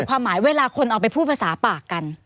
ความหมายเวลาคนเอาไปพูดภาษาปากกัน